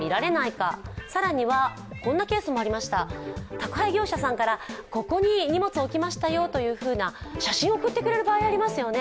宅配業者さんからここに荷物を置きましたよというような、写真を送ってもらえる場合がありますよね。